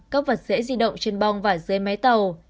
các vật dễ di động trên bong và dưới máy tàu